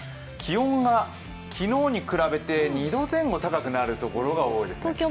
気温が昨日に比べて、２度前後高くなるところが多いですね。